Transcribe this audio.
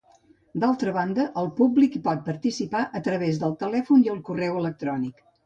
D'altra banda, el públic hi pot participar a través del telèfon i el correu electrònic.